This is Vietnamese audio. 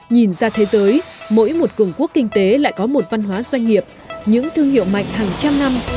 nhìn ra thế giới mỗi một cường quốc kinh tế lại có một văn hóa doanh nghiệp những thương hiệu mạnh hàng trăm năm